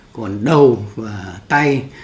còn đầu và tay